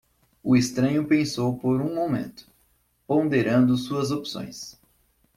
O estranho pensou por um momento, ponderando suas opções.